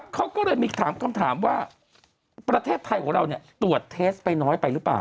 เขาก็เลยมีถามคำถามว่าประเทศไทยของเราตรวจเทสไปน้อยไปหรือเปล่า